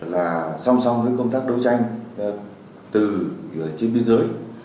là song song với công tác đấu tranh từ trên biên giới